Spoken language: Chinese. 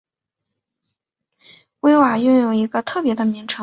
威瓦拥有一个特别的名称。